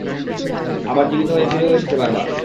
আবার জীবিত হয়ে ফিরেও এসেছে বারবার।